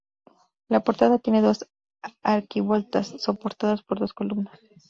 La portada tiene dos arquivoltas soportadas por dos columnas.